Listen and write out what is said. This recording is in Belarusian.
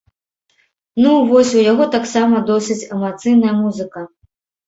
Ну, вось у яго таксама досыць эмацыйная музыка.